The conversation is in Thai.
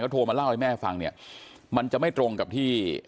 โทรมาเล่าให้แม่ฟังเนี่ยมันจะไม่ตรงกับที่